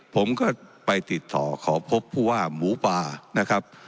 ผมก็ไปติดต่อขอพบผู้ว่าหมูป่านะครับ